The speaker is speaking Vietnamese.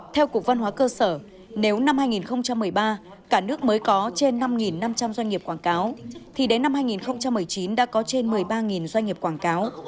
theo cục văn hóa cơ sở nếu năm hai nghìn một mươi ba cả nước mới có trên năm năm trăm linh doanh nghiệp quảng cáo thì đến năm hai nghìn một mươi chín đã có trên một mươi ba doanh nghiệp quảng cáo